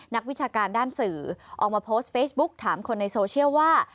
วิชาการด้านสื่อออกมาโพสต์เฟซบุ๊กถามคนในโซเชียลว่า